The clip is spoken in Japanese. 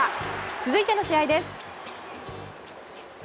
続いての試合です。